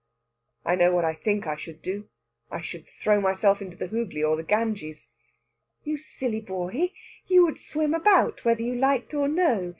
"I know what I think I should do. I should throw myself into the Hooghly or the Ganges." "You silly boy! You would swim about, whether you liked or no.